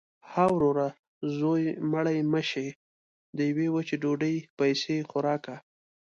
– ها وروره! زوی مړی مه شې. د یوې وچې ډوډۍ پیسې خو راکه.